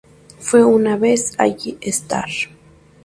Fue una vez All-Star.